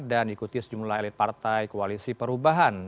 dan diikuti sejumlah elit partai koalisi perubahan